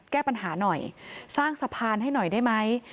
แก้ปัญหาหน่อยสร้างสะพานให้หน่อยได้ไหม